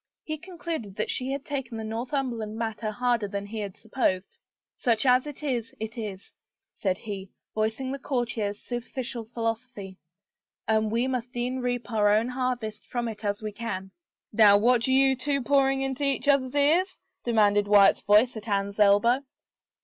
He concluded that she had taken the Northumberland matter harder than he had supposed. '' Such as it is, it is/' said he, voicing the courtier's superficial philosophy, " and we must e'en reap our own harvest from it as we can." " Now what do you two pouring into each other's ears ?" demanded Wyatt's voice at Anne's elbow.